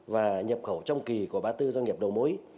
và nhập khẩu trong kỳ của ba mươi bốn doanh nghiệp đầu mối